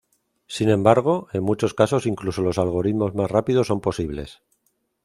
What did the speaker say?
Sin embargo, en muchos casos incluso los algoritmos más rápidos son posibles.